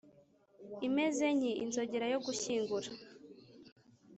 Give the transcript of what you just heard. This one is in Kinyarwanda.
imezenki inzogera yo gushyingura.